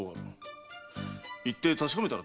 行って確かめたらどうだ？